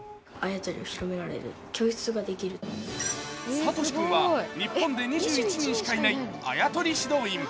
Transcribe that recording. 聡志君は日本で２１人しかいないあやとり指導員。